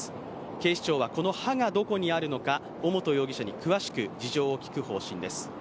警視庁はこの刃がどこにあるのか、尾本容疑者に詳しく事情を聴く方針です。